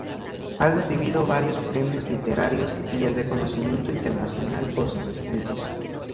Ha recibido varios premios literarios y el reconocimiento internacional por sus escritos.